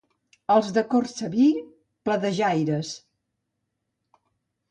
Els de Cortsaví, pledejaires.